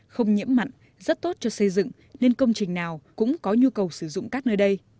không nhiễm mặn rất tốt cho xây dựng nên công trình nào cũng có nhu cầu sử dụng cát nơi đây